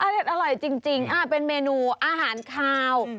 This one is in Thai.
เด็ดอร่อยจริงเป็นเมนูอาหารคาว